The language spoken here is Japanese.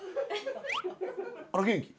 あら元気。